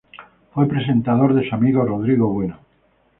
Fue presentador de su amigo Rodrigo Bueno.